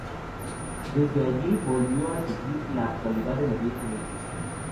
Desde allí volvió a seguir la actualidad en Oriente Medio.